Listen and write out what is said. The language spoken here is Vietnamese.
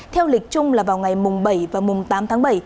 theo lịch chung là vào ngày bảy và tám tháng bảy